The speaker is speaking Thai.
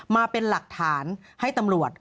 มาเป็นหลักฐานให้ตำรวจ